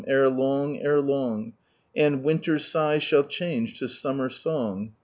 Ere long, ere long ; And winter si^h shall change to summer song.